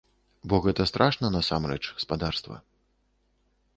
Бо гэта страшна насамрэч, спадарства.